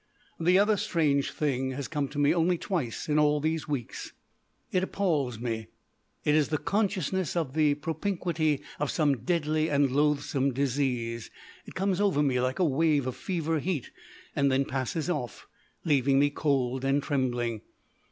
The other strange thing has come to me only twice in all these weeks. It appals me. It is the consciousness of the propinquity of some deadly and loathsome disease. It comes over me like a wave of fever heat, and then passes off, leaving me cold and trembling.